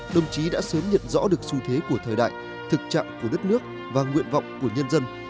đồng chí đã sớm nhận rõ được xu thế của thời đại thực trạng của đất nước và nguyện vọng của nhân dân